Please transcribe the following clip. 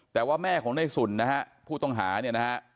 แต่ว่าแม่ของในสุนนะฮะผู้ต้องหาเนี่ยนะฮะ